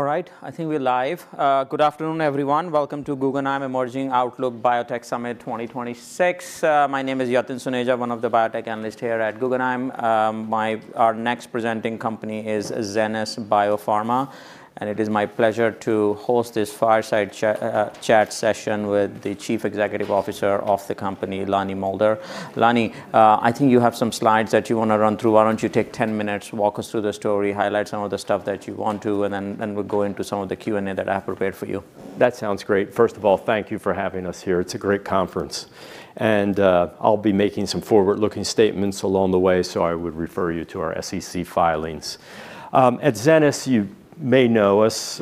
All right, I think we're live. Good afternoon, everyone. Welcome to Guggenheim Emerging Outlook Biotech Summit 2026. My name is Yatin Suneja, one of the biotech analysts here at Guggenheim. Now our next presenting company is Zenas BioPharma, and it is my pleasure to host this fireside chat session with the Chief Executive Officer of the company, Lonnie Moulder. Lonnie, I think you have some slides that you wanna run through. Why don't you take 10 minutes, walk us through the story, highlight some of the stuff that you want to, and then we'll go into some of the Q&A that I've prepared for you. That sounds great. First of all, thank you for having us here. It's a great conference. I'll be making some forward-looking statements along the way, so I would refer you to our SEC filings. At Zenas, you may know us,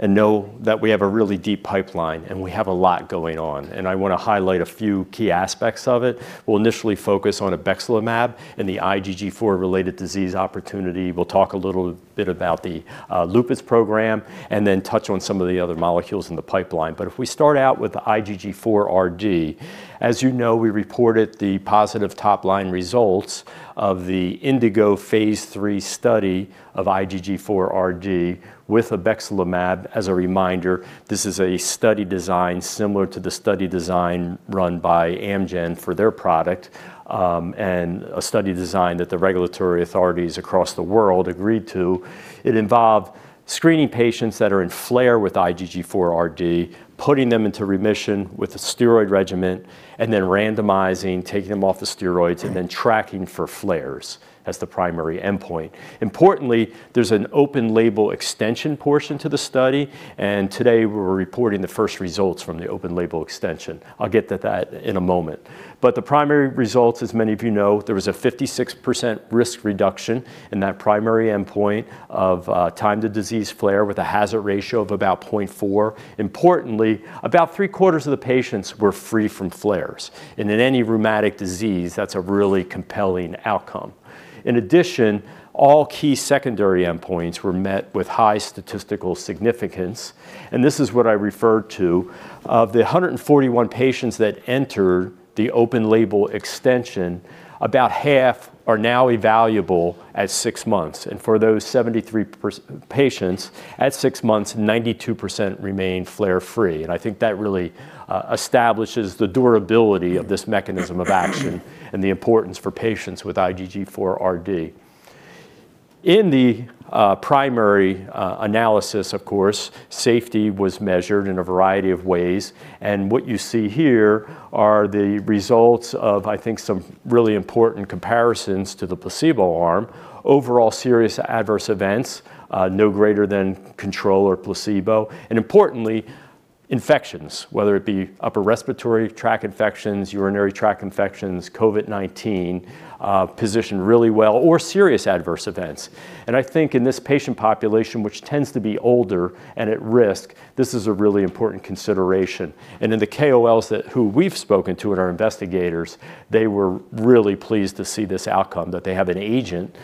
and know that we have a really deep pipeline, and we have a lot going on. I wanna highlight a few key aspects of it. We'll initially focus on obexelimab and the IgG4-related disease opportunity. We'll talk a little bit about the lupus program and then touch on some of the other molecules in the pipeline. But if we start out with IgG4-RD, as you know, we reported the positive top-line results of the INDIGO phase 3 study of IgG4-RD with obexelimab. As a reminder, this is a study design similar to the study design run by Amgen for their product, and a study design that the regulatory authorities across the world agreed to. It involved screening patients that are in flare with IgG4-RD, putting them into remission with a steroid regimen, and then randomizing, taking them off the steroids, and then tracking for flares as the primary endpoint. Importantly, there's an open-label extension portion to the study, and today we're reporting the first results from the open-label extension. I'll get to that in a moment. But the primary results, as many of you know, there was a 56% risk reduction in that primary endpoint of time to disease flare with a hazard ratio of about 0.4. Importantly, about three-quarters of the patients were free from flares. And in any rheumatic disease, that's a really compelling outcome. In addition, all key secondary endpoints were met with high statistical significance. This is what I referred to. Of the 141 patients that entered the open-label extension, about half are now evaluable at six months. For those 73% patients, at six months, 92% remain flare-free. I think that really establishes the durability of this mechanism of action and the importance for patients with IgG4-RD. In the primary analysis, of course, safety was measured in a variety of ways. What you see here are the results of, I think, some really important comparisons to the placebo arm: overall serious adverse events, no greater than control or placebo; and importantly, infections, whether it be upper respiratory tract infections, urinary tract infections, COVID-19, positioned really well, or serious adverse events. I think in this patient population, which tends to be older and at risk, this is a really important consideration. In the KOLs who we've spoken to and our investigators, they were really pleased to see this outcome, that they have an agent,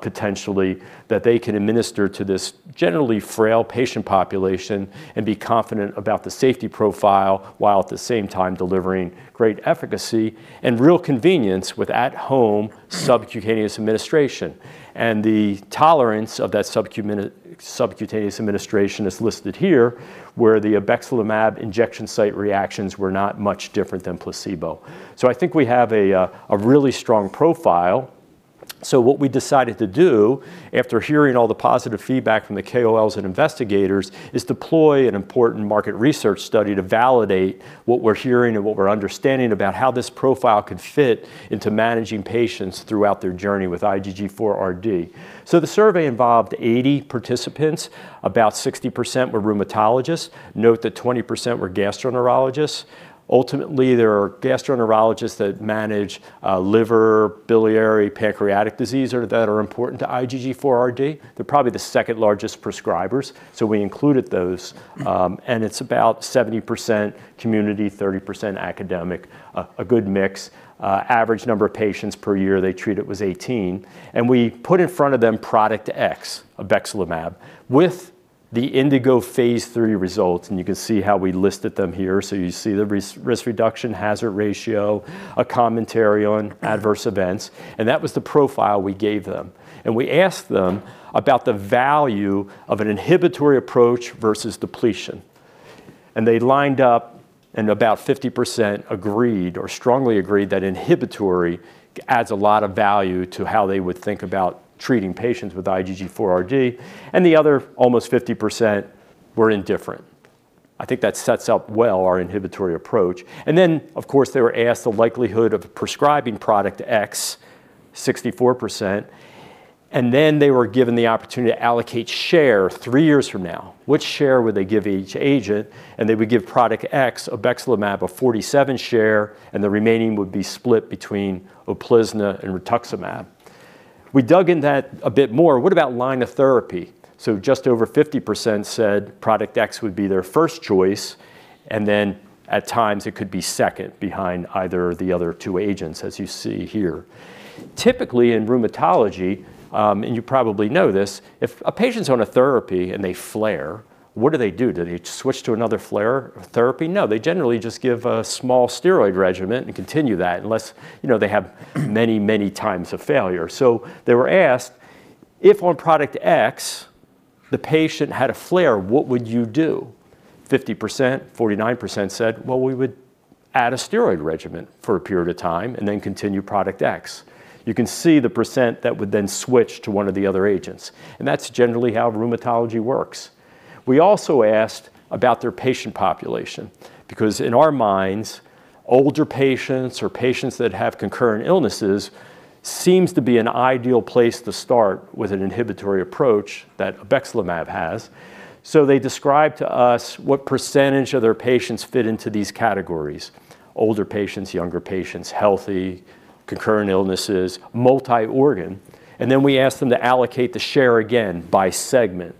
potentially, that they can administer to this generally frail patient population and be confident about the safety profile while at the same time delivering great efficacy and real convenience with at-home subcutaneous administration. The tolerance of that subcutaneous administration is listed here, where the obexelimab injection site reactions were not much different than placebo. So I think we have a really strong profile. So what we decided to do, after hearing all the positive feedback from the KOLs and investigators, is deploy an important market research study to validate what we're hearing and what we're understanding about how this profile could fit into managing patients throughout their journey with IgG4-RD. So the survey involved 80 participants. About 60% were rheumatologists. Note that 20% were gastroenterologists. Ultimately, there are gastroenterologists that manage liver, biliary, pancreatic disease that are important to IgG4-RD. They're probably the second-largest prescribers, so we included those. And it's about 70% community, 30% academic, a good mix. Average number of patients per year they treat it was 18. And we put in front of them product X, obexelimab, with the INDIGO Phase 3 results. And you can see how we listed them here. So you see the risk reduction hazard ratio, a commentary on adverse events. That was the profile we gave them. We asked them about the value of an inhibitory approach versus depletion. They lined up, and about 50% agreed or strongly agreed that inhibitory adds a lot of value to how they would think about treating patients with IgG4-RD. The other almost 50% were indifferent. I think that sets up well our inhibitory approach. Then, of course, they were asked the likelihood of prescribing product X, 64%. Then they were given the opportunity to allocate share 3 years from now. Which share would they give each agent? They would give product X, obexelimab, a 47% share, and the remaining would be split between Uplizna and rituximab. We dug into that a bit more. What about line of therapy? So just over 50% said product X would be their first choice, and then at times it could be second behind either of the other two agents, as you see here. Typically, in rheumatology, and you probably know this, if a patient's on a therapy and they flare, what do they do? Do they switch to another flare therapy? No, they generally just give a small steroid regimen and continue that unless, you know, they have many, many times of failure. So they were asked, "If on product X the patient had a flare, what would you do?" 50%, 49% said, "Well, we would add a steroid regimen for a period of time and then continue product X." You can see the percent that would then switch to one of the other agents. And that's generally how rheumatology works. We also asked about their patient population because, in our minds, older patients or patients that have concurrent illnesses seems to be an ideal place to start with an inhibitory approach that obexelimab has. So they described to us what percentage of their patients fit into these categories: older patients, younger patients, healthy, concurrent illnesses, multi-organ. And then we asked them to allocate the share again by segment.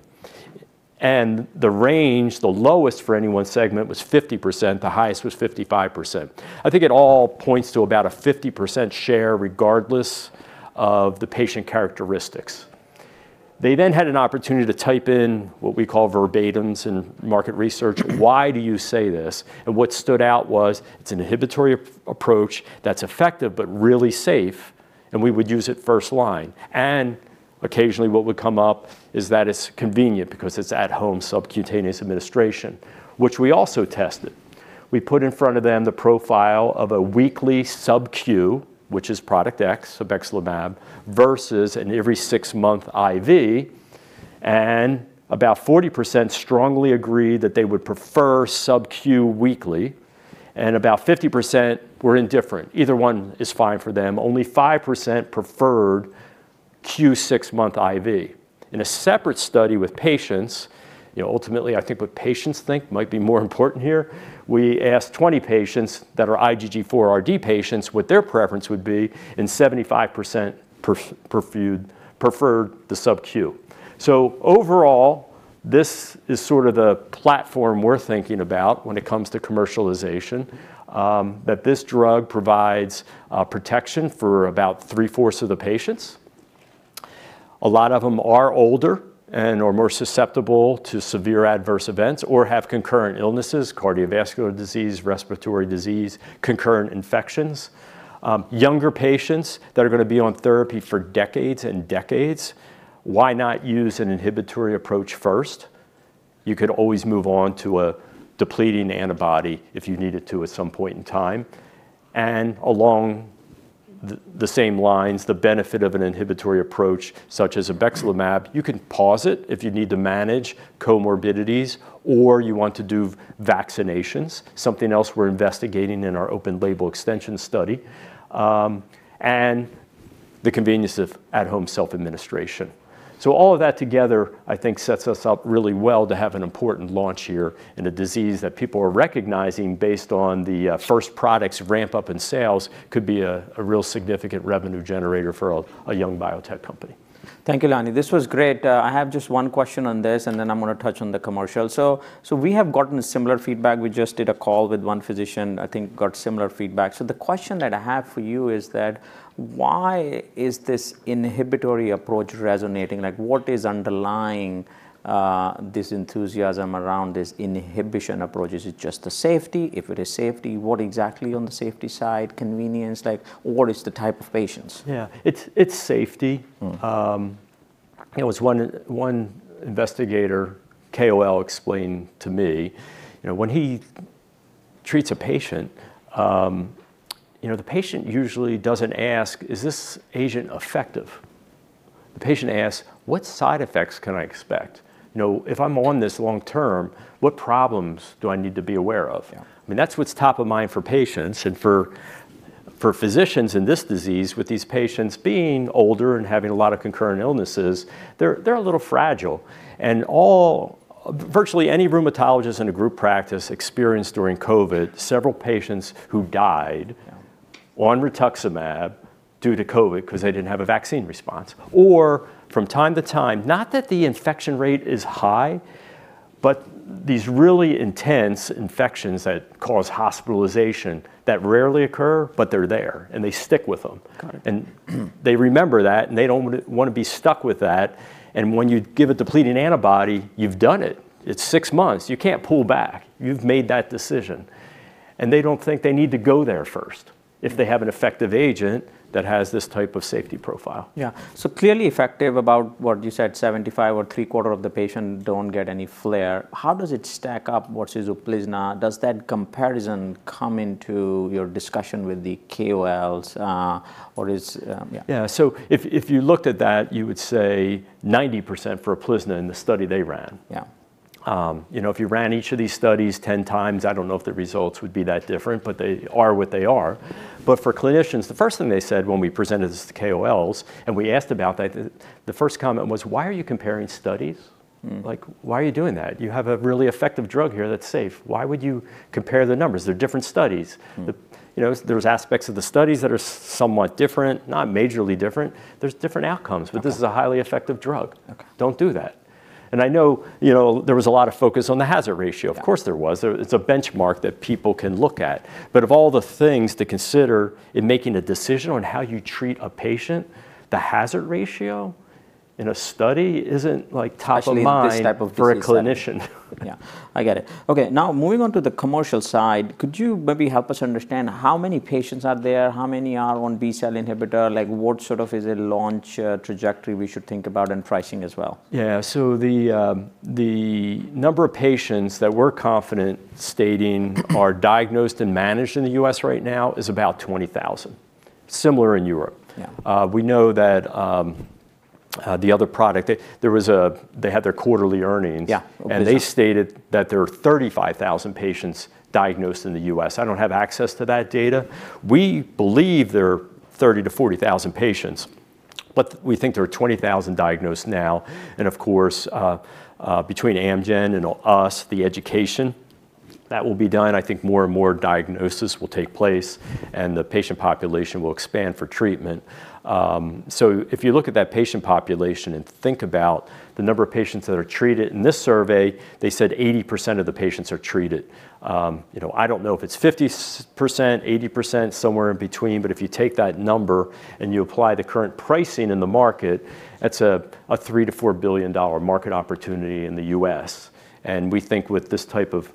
And the range, the lowest for any one segment, was 50%. The highest was 55%. I think it all points to about a 50% share regardless of the patient characteristics. They then had an opportunity to type in what we call verbatims in market research: "Why do you say this?" And what stood out was, "It's an inhibitory approach that's effective but really safe, and we would use it first line." And occasionally what would come up is that it's convenient because it's at-home subcutaneous administration, which we also tested. We put in front of them the profile of a weekly sub-Q, which is product X, obexelimab, versus an every-six-month IV. And about 40% strongly agreed that they would prefer sub-Q weekly, and about 50% were indifferent. Either one is fine for them. Only 5% preferred Q six-month IV. In a separate study with patients, you know, ultimately I think what patients think might be more important here, we asked 20 patients that are IgG4-RD patients what their preference would be, and 75% preferred the sub-Q. So overall, this is sort of the platform we're thinking about when it comes to commercialization, that this drug provides protection for about three-fourths of the patients. A lot of them are older and/or more susceptible to severe adverse events or have concurrent illnesses: cardiovascular disease, respiratory disease, concurrent infections. Younger patients that are gonna be on therapy for decades and decades, why not use an inhibitory approach first? You could always move on to a depleting antibody if you needed to at some point in time. And along the same lines, the benefit of an inhibitory approach such as obexelimab, you can pause it if you need to manage comorbidities or you want to do vaccinations, something else we're investigating in our open-label extension study, and the convenience of at-home self-administration. So all of that together, I think, sets us up really well to have an important launch here in a disease that people are recognizing based on the first products ramp up in sales could be a, a real significant revenue generator for a, a young biotech company. Thank you, Lonnie. This was great. I have just one question on this, and then I'm gonna touch on the commercial. So we have gotten similar feedback. We just did a call with one physician. I think got similar feedback. So the question that I have for you is, why is this inhibitory approach resonating? Like, what is underlying this enthusiasm around this inhibition approach? Is it just the safety? If it is safety, what exactly on the safety side? Convenience, like, what is the type of patients? Yeah, it's safety. Mm-hmm. You know, it was one investigator, KOL, explained to me, you know, when he treats a patient, you know, the patient usually doesn't ask, "Is this agent effective?" The patient asks, "What side effects can I expect? You know, if I'm on this long term, what problems do I need to be aware of? Yeah. I mean, that's what's top of mind for patients. And for physicians in this disease, with these patients being older and having a lot of concurrent illnesses, they're a little fragile. And all, virtually any rheumatologist in a group practice experienced during COVID several patients who died. Yeah. On rituximab due to COVID 'cause they didn't have a vaccine response. Or from time to time, not that the infection rate is high, but these really intense infections that cause hospitalization that rarely occur, but they're there, and they stick with them. Got it. And they remember that, and they don't wanna be stuck with that. And when you give a depleting antibody, you've done it. It's six months. You can't pull back. You've made that decision. And they don't think they need to go there first if they have an effective agent that has this type of safety profile. Yeah. So clearly effective about what you said, 75 or three-quarters of the patients don't get any flare. How does it stack up versus Uplizna? Does that comparison come into your discussion with the KOLs, or is, yeah? Yeah. So if you looked at that, you would say 90% for Uplizna in the study they ran. Yeah. You know, if you ran each of these studies 10 times, I don't know if the results would be that different, but they are what they are. But for clinicians, the first thing they said when we presented this to KOLs and we asked about that, the first comment was, "Why are you comparing studies? Mm-hmm. Like, "Why are you doing that? You have a really effective drug here that's safe. Why would you compare the numbers? They're different studies. Mm-hmm. You know, there's aspects of the studies that are somewhat different, not majorly different. There's different outcomes. Okay. But this is a highly effective drug. Okay. Don't do that. And I know, you know, there was a lot of focus on the hazard ratio. Of course there was. There it's a benchmark that people can look at. But of all the things to consider in making a decision on how you treat a patient, the hazard ratio in a study isn't, like, top of mind. Especially in this type of disease. For a clinician. Yeah. I get it. Okay. Now moving on to the commercial side, could you maybe help us understand how many patients are there, how many are on B-cell inhibitor? Like, what sort of is a launch, trajectory we should think about and pricing as well? Yeah. So the number of patients that we're confident stating are diagnosed and managed in the U.S. right now is about 20,000, similar in Europe. Yeah. We know that the other product, they had their quarterly earnings. Yeah, Uplizna. And they stated that there are 35,000 patients diagnosed in the U.S. I don't have access to that data. We believe there are 30-40,000 patients, but we think there are 20,000 diagnosed now. And of course, between Amgen and us, the education that will be done. I think more and more diagnosis will take place, and the patient population will expand for treatment. So if you look at that patient population and think about the number of patients that are treated in this survey, they said 80% of the patients are treated. You know, I don't know if it's 50%-80%, somewhere in between. But if you take that number and you apply the current pricing in the market, that's a $3-$4 billion market opportunity in the U.S. We think with this type of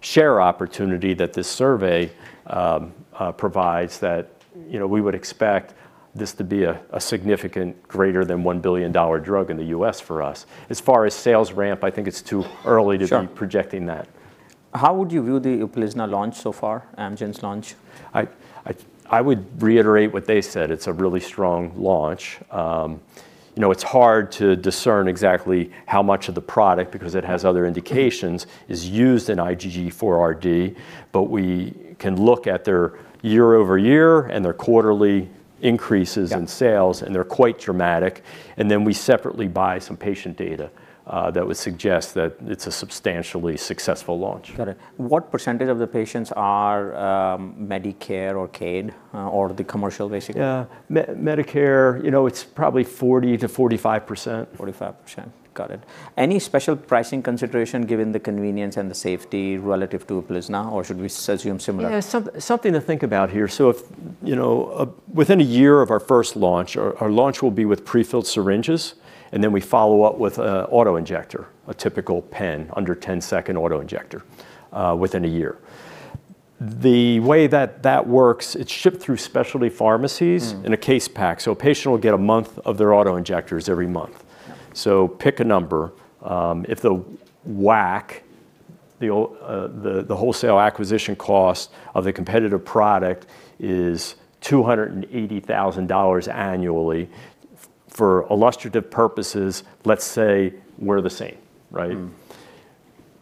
share opportunity that this survey provides that, you know, we would expect this to be a significantly greater than $1 billion drug in the US for us. As far as sales ramp, I think it's too early to be. Sure. Projecting that. How would you view the Uplizna launch so far, Amgen's launch? I would reiterate what they said. It's a really strong launch. You know, it's hard to discern exactly how much of the product, because it has other indications, is used in IgG4-RD. But we can look at their year-over-year and their quarterly increases in sales, and they're quite dramatic. And then we separately buy some patient data that would suggest that it's a substantially successful launch. Got it. What percentage of the patients are Medicare or Medicaid or the commercial, basically? Yeah. Medicare, you know, it's probably 40%-45%. 45%. Got it. Any special pricing consideration given the convenience and the safety relative to Uplizna, or should we assume similar? Yeah. Something to think about here. So if, you know, within a year of our first launch, our launch will be with prefilled syringes, and then we follow up with an autoinjector, a typical pen, under-10-second autoinjector, within a year. The way that that works, it's shipped through specialty pharmacies in a case pack. So a patient will get a month of their autoinjectors every month. Yeah. So pick a number. If the WAC, the wholesale acquisition cost of the competitive product is $280,000 annually for illustrative purposes, let's say we're the same, right? Mm-hmm.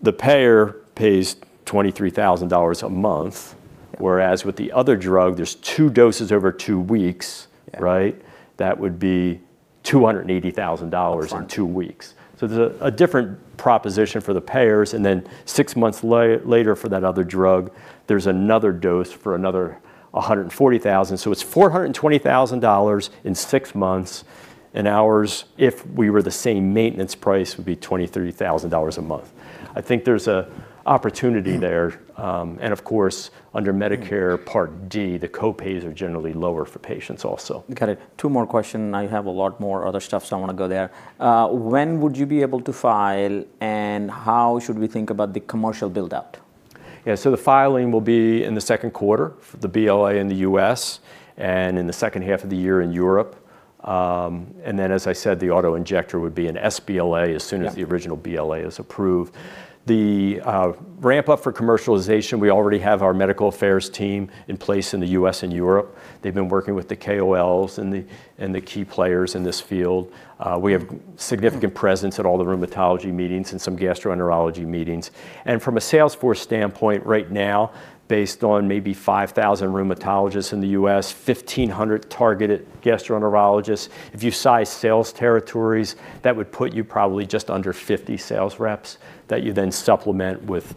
The payer pays $23,000 a month. Yeah. Whereas with the other drug, there's 2 doses over 2 weeks. Yeah. Right? That would be $280,000 in two weeks. Right. So there's a different proposition for the payers. And then six months later, for that other drug, there's another dose for another $140,000. So it's $420,000 in six months. And ours, if we were the same maintenance price, would be $23,000 a month. I think there's an opportunity there. And of course, under Medicare Part D, the copays are generally lower for patients also. Got it. Two more questions. I have a lot more other stuff, so I wanna go there. When would you be able to file, and how should we think about the commercial buildup? Yeah. So the filing will be in the second quarter for the BLA in the U.S. and in the second half of the year in Europe. And then, as I said, the autoinjector would be an sBLA as soon as the original BLA is approved. The ramp-up for commercialization, we already have our medical affairs team in place in the U.S. and Europe. They've been working with the KOLs and the key players in this field. We have significant presence at all the rheumatology meetings and some gastroenterology meetings. And from a sales force standpoint, right now, based on maybe 5,000 rheumatologists in the U.S., 1,500 targeted gastroenterologists, if you size sales territories, that would put you probably just under 50 sales reps that you then supplement with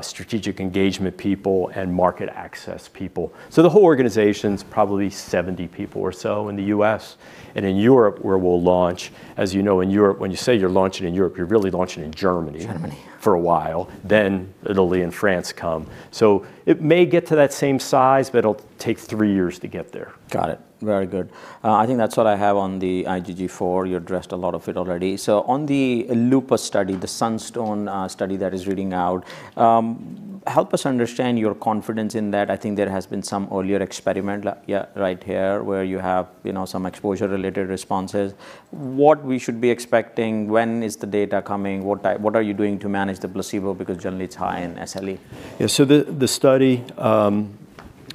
strategic engagement people and market access people. So the whole organization's probably 70 people or so in the U.S. In Europe, where we'll launch, as you know, in Europe, when you say you're launching in Europe, you're really launching in Germany. Germany. For a while. Then Italy and France come. So it may get to that same size, but it'll take three years to get there. Got it. Very good. I think that's what I have on the IgG4. You addressed a lot of it already. So on the lupus study, the Sunstone study that is reading out, help us understand your confidence in that. I think there has been some earlier experiment, like, yeah, right here, where you have, you know, some exposure-related responses. What we should be expecting, when is the data coming? What type what are you doing to manage the placebo because generally it's high in SLE? Yeah. So the study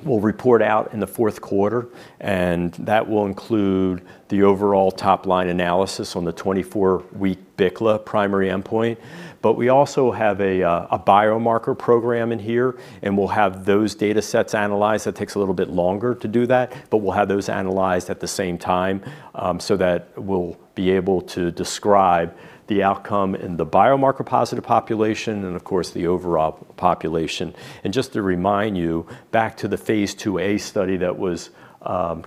will report out in the fourth quarter, and that will include the overall top-line analysis on the 24-week BICLA primary endpoint. But we also have a biomarker program in here, and we'll have those data sets analyzed. That takes a little bit longer to do that, but we'll have those analyzed at the same time, so that we'll be able to describe the outcome in the biomarker-positive population and, of course, the overall population. And just to remind you, back to the phase 2A study that was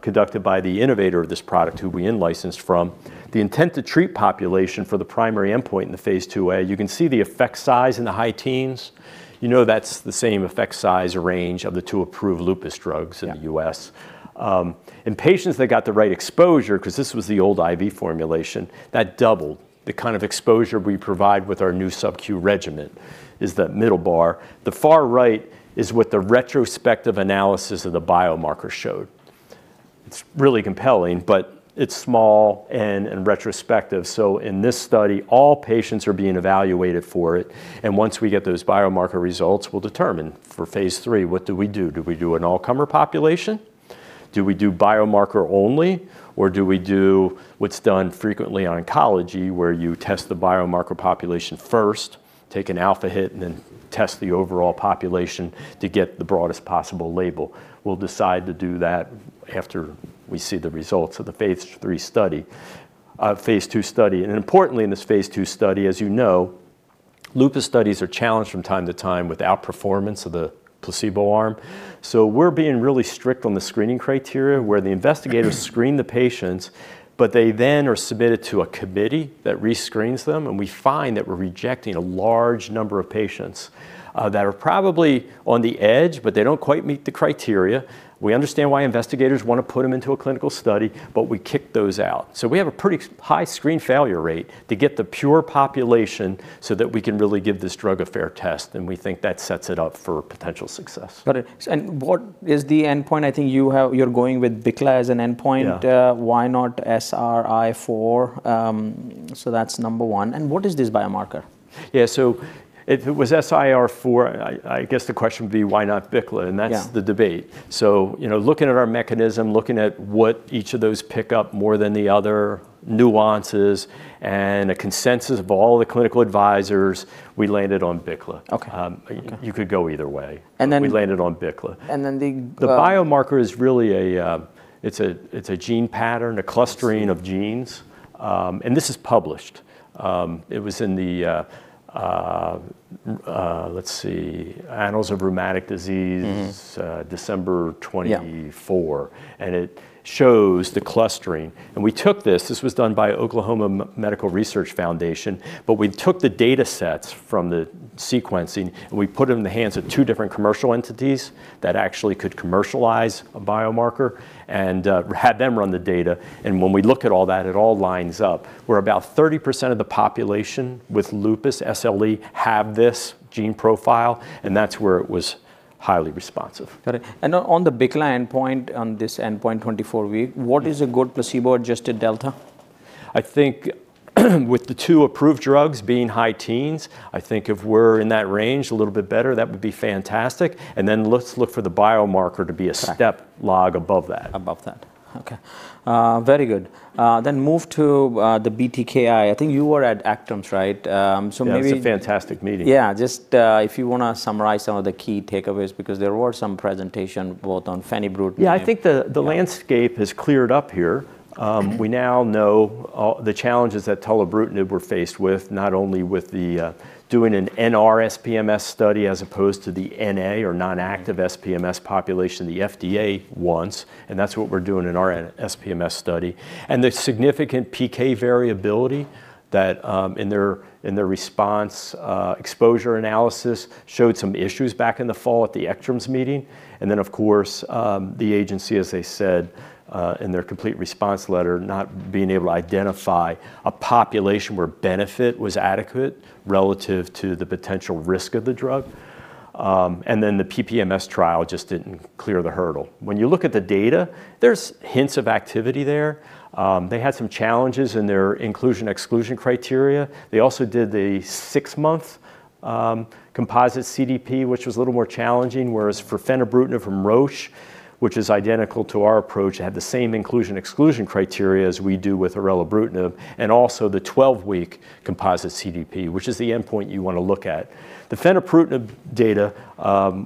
conducted by the innovator of this product, who we in-licensed from, the intent-to-treat population for the primary endpoint in the phase 2A, you can see the effect size in the high teens. You know that's the same effect size range of the two approved lupus drugs in the U.S. Yeah. In patients that got the right exposure 'cause this was the old IV formulation, that doubled. The kind of exposure we provide with our new subcu regimen is that middle bar. The far right is what the retrospective analysis of the biomarker showed. It's really compelling, but it's small and, and retrospective. So in this study, all patients are being evaluated for it. And once we get those biomarker results, we'll determine for Phase 3, what do we do? Do we do an all-comer population? Do we do biomarker-only, or do we do what's done frequently in oncology, where you test the biomarker population first, take an alpha hit, and then test the overall population to get the broadest possible label? We'll decide to do that after we see the results of the Phase 3 study, Phase 2 study. And importantly, in this phase 2 study, as you know, Lupus studies are challenged from time to time with outperformance of the placebo arm. So we're being really strict on the screening criteria, where the investigators screen the patients, but they then are submitted to a committee that rescreens them. And we find that we're rejecting a large number of patients, that are probably on the edge, but they don't quite meet the criteria. We understand why investigators wanna put them into a clinical study, but we kick those out. So we have a pretty high screen failure rate to get the pure population so that we can really give this drug a fair test. And we think that sets it up for potential success. Got it. And what is the endpoint? I think you have, you're going with BICLA as an endpoint. Yeah. Why not SRI-4? That's number one. What is this biomarker? Yeah. So if it was SRI-4, I guess the question would be, why not BICLA? And that's. Yeah. The debate. So, you know, looking at our mechanism, looking at what each of those pick up more than the other, nuances, and a consensus of all the clinical advisors, we landed on BICLA. Okay. You could go either way. And then. We landed on BICLA. And then the, The biomarker is really a gene pattern, a clustering of genes. This is published. It was in the, let's see, Annals of Rheumatic Disease. Mm-hmm. December 24. Yeah. And it shows the clustering. And we took this. This was done by Oklahoma Medical Research Foundation, but we took the data sets from the sequencing, and we put them in the hands of two different commercial entities that actually could commercialize a biomarker, and had them run the data. And when we look at all that, it all lines up, where about 30% of the population with lupus, SLE, have this gene profile, and that's where it was highly responsive. Got it. And on the BICLA endpoint, on this 24-week endpoint, what is a good placebo-adjusted delta? I think with the two approved drugs being high teens, I think if we're in that range a little bit better, that would be fantastic. And then let's look for the biomarker to be a step. Okay. Log above that. Above that. Okay. Very good. Then move to the BTKI. I think you were at ECTRIMS, right? So maybe. Yeah. It's a fantastic meeting. Yeah. Just, if you wanna summarize some of the key takeaways because there were some presentations both on fenebrutinib? Yeah. I think the, the landscape has cleared up here. We now know the challenges that tolebrutinib were faced with, not only with the, doing an NR SPMS study as opposed to the NA, or non-active SPMS population the FDA wants. And that's what we're doing in our N-SPMS study. And the significant PK variability that, in their in their response, exposure analysis showed some issues back in the fall at the ECTRIMS meeting. And then, of course, the agency, as they said, in their complete response letter, not being able to identify a population where benefit was adequate relative to the potential risk of the drug. And then the PPMS trial just didn't clear the hurdle. When you look at the data, there's hints of activity there. They had some challenges in their inclusion/exclusion criteria. They also did the six-month composite CDP, which was a little more challenging. Whereas for fenebrutinib from Roche, which is identical to our approach, it had the same inclusion/exclusion criteria as we do with orelibrutinib, and also the 12-week composite CDP, which is the endpoint you wanna look at. The fenebrutinib data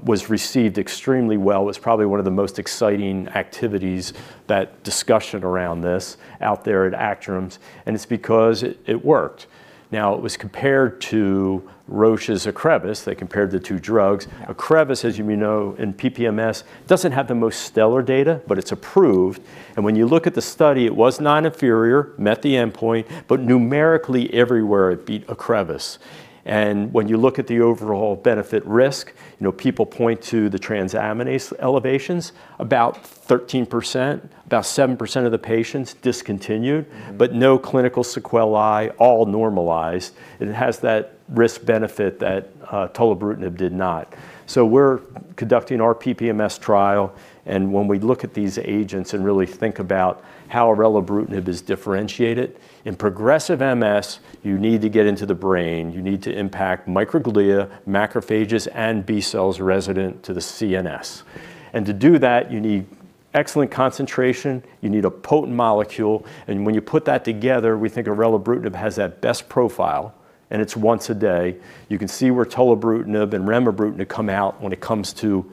was received extremely well. It was probably one of the most exciting activities that discussion around this out there at ECTRIMS. And it's because it worked. Now, it was compared to Roche's Ocrevus. They compared the two drugs. Yeah. Ocrevus, as you may know, in PPMS, doesn't have the most stellar data, but it's approved. And when you look at the study, it was non-inferior, met the endpoint, but numerically everywhere, it beat Ocrevus. And when you look at the overall benefit-risk, you know, people point to the transaminase elevations. About 13%, about 7% of the patients discontinued, but no clinical sequelae, all normalized. And it has that risk-benefit that tolebrutinib did not. So we're conducting our PPMS trial. And when we look at these agents and really think about how orelibrutinib is differentiated, in progressive MS, you need to get into the brain. You need to impact microglia, macrophages, and B cells resident to the CNS. And to do that, you need excellent concentration. You need a potent molecule. And when you put that together, we think orelibrutinib has that best profile, and it's once a day. You can see where tolebrutinib and remibrutinib come out when it comes to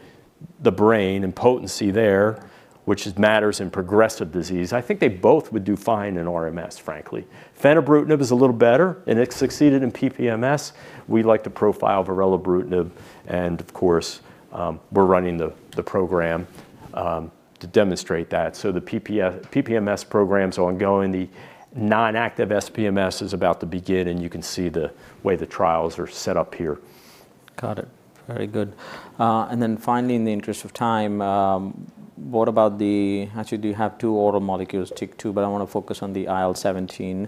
the brain and potency there, which matters in progressive disease. I think they both would do fine in RMS, frankly. Fenebrutinib is a little better, and it succeeded in PPMS. We like to profile orelibrutinib. And of course, we're running the program to demonstrate that. So the PPMS program's ongoing. The non-active SPMS is about to begin, and you can see the way the trials are set up here. Got it. Very good. And then finally, in the interest of time, what about—actually, do you have two oral molecules, TYK2, but I wanna focus on the IL-17.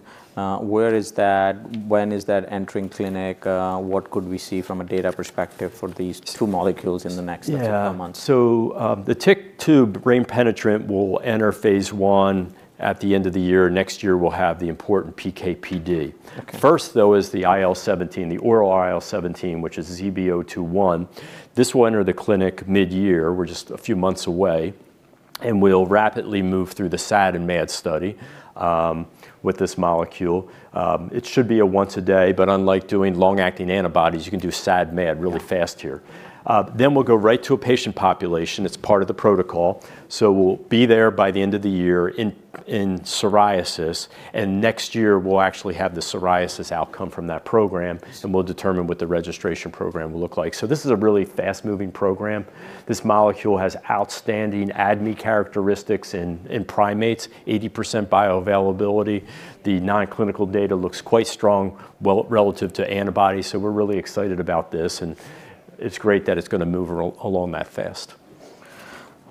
Where is that? When is that entering clinic? What could we see from a data perspective for these two molecules in the next. Yeah. Couple of months? The TYK2 brain penetrant will enter phase 1 at the end of the year. Next year, we'll have the important PKPD. Okay. First, though, is the IL-17, the oral IL-17, which is ZB021. This will enter the clinic mid-year. We're just a few months away. And we'll rapidly move through the SAD and MAD study, with this molecule. It should be a once-a-day, but unlike doing long-acting antibodies, you can do SAD/MAD really fast here. Then we'll go right to a patient population. It's part of the protocol. So we'll be there by the end of the year in, in psoriasis. And next year, we'll actually have the psoriasis outcome from that program. Interesting. We'll determine what the registration program will look like. So this is a really fast-moving program. This molecule has outstanding ADME characteristics in primates, 80% bioavailability. The non-clinical data looks quite strong relative to antibodies. So we're really excited about this. And it's great that it's gonna move along that fast.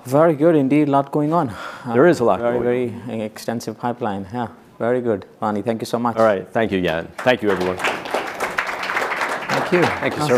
Very good. Indeed, a lot going on. There is a lot going on. Very, very extensive pipeline. Yeah. Very good, Lonnie. Thank you so much. All right. Thank you, Yatin. Thank you, everyone. Thank you. Thank you so much.